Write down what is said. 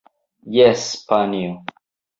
Jes, panjo.